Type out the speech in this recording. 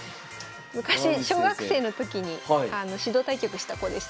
昔小学生の時に指導対局した子でした。